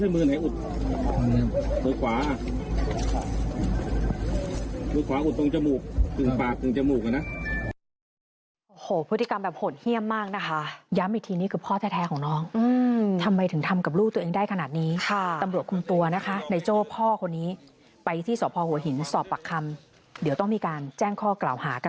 มือขวาอุดตรงจมูกอุดปากตรงจมูก